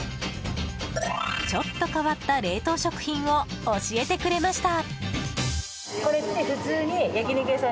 ちょっと変わった冷凍食品を教えてくれました。